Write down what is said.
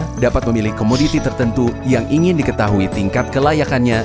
mereka dapat memilih komoditi tertentu yang ingin diketahui tingkat kelayakannya